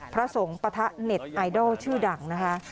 พระสงฆ์ปะทะเน็ตไอดอลชื่อดังนะคะ